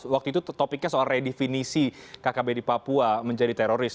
waktu itu topiknya soal redefinisi kkb di papua menjadi teroris